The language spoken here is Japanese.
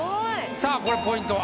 さぁこれポイントは？